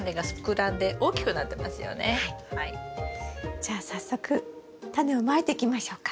じゃあ早速タネをまいていきましょうか。